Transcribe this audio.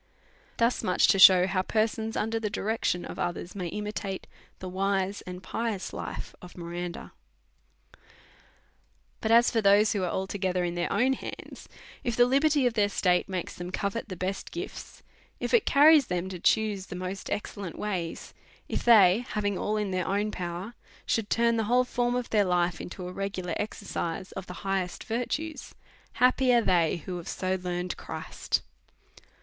Thus much to shew how persons under the direc tion of others may imitate the wise and pious life of Miranda. But as for those who are altogether in their own hands, if the liberty of their states makes them covet the best gifts, if it carries them to choose the most ex DEVOUT AND HOLY LIFE. 95 cciient ways, if they, havin*^ all in their own power, shoulJ turn the whole form of their life into a regular exercise of the highest virtues, happy are they who have so learned Christ